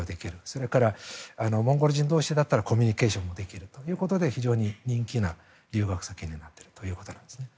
それからモンゴル人同士だったらコミュニケーションもできるということで非常に人気な留学先になっているということなんです。